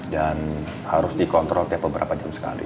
dan harus dikontrol tiap beberapa jam sekali